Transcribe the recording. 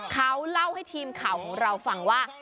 เขาเล่าให้ทีมข่าวของเราฟังว่า